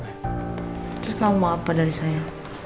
terus mau apa dari saya